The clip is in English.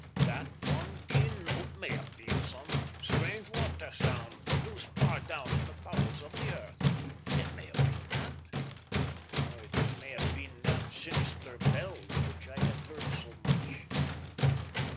That one keen note may have been some strange water sound produced far down in the bowels of the earth. It may have been that or it may have been that sinister bell of which I had heard so much.